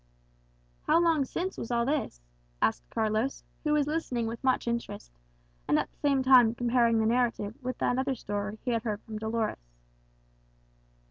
"How long since was all this?" asked Carlos, who was listening with much interest, and at the same time comparing the narrative with that other story he had heard from Dolores.